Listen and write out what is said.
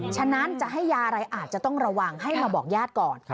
ฉะนั้นจะให้ยาอะไรอาจจะต้องระวังให้มาบอกญาติก่อน